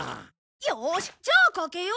よしじゃあ賭けよう。